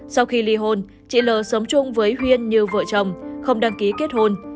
sau khi ly hôn chị l sống chung với huyên như vợ chồng không đăng ký kết hôn